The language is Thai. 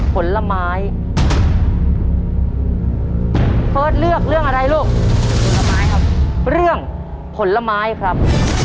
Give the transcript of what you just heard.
ผลไม้ครับเรื่องผลไม้ครับ